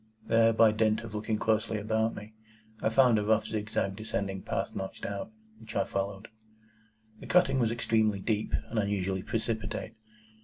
There, by dint of looking closely about me, I found a rough zigzag descending path notched out, which I followed. The cutting was extremely deep, and unusually precipitate.